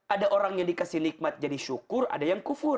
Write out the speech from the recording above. ada orang yang dikasih nikmat jadi syukur ada yang kufur